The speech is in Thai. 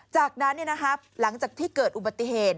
จากนั้นเนี่ยนะครับหลังจากที่เกิดอุบัติเหตุ